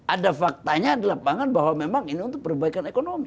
ada faktanya di lapangan bahwa memang ini untuk perbaikan ekonomi